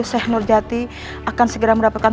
seh nurjati akan segera mendapatkan